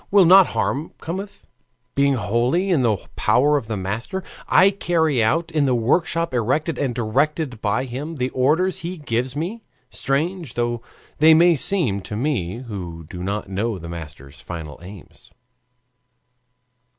Will not harm come if, being wholly in the power of a master, I carry out, in the workshop erected and directed by him, the orders he gives me, strange though they may seem to me who do not know the Master's final aims?